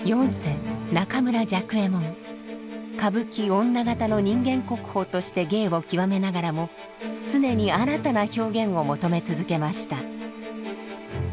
歌舞伎女方の人間国宝として芸を極めながらも常に新たな表現を求め続けました。